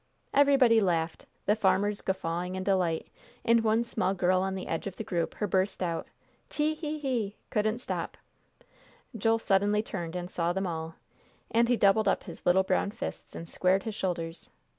Everybody laughed, the farmers guffawing in delight; and one small girl on the edge of the group who burst out, "Tehe ee!" couldn't stop. Joel suddenly turned and saw them all; and he doubled up his little brown fists, and squared his shoulders.